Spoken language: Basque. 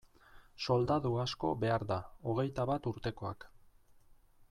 Soldadu asko behar da, hogeita bat urtekoak.